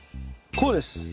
こうです。